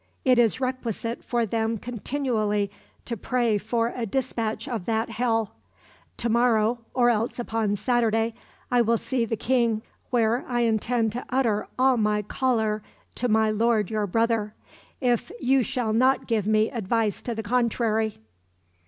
It is requisite for them continually to pray for a dispatch of that hell. To morrow, or else upon Saturday ... I will see the King, where I intend to utter all my choler to my lord your brother, if you shall not give me advice to the contrary."